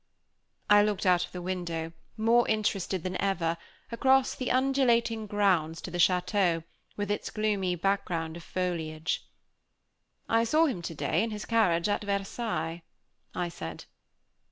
I looked out of the window, more interested than ever, across the undulating grounds to the château, with its gloomy background of foliage. "I saw him today, in his carriage at Versailles," I said.